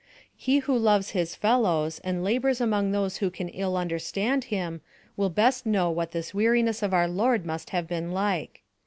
He who loves his fellows and labours among those who can ill understand him will best know what this weariness of our Lord must have been like.